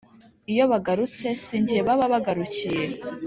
Iyo bagarutse, si jye baba bagarukiye,